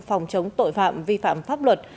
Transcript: phòng chống tội phạm vi phạm pháp luật